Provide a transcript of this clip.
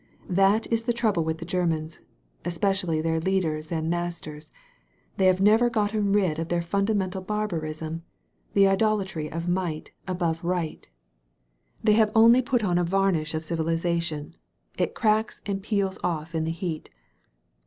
That is the trouble with the Germans, especially their leaders and mas ters. They have never gotten rid of their funda mental barbarism, the idolatry of might above right. 197 THE VALLEY OF VISION They have only put on a varnish of civilization. It cracks and peels off in the heat.